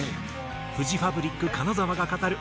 フジファブリック金澤が語る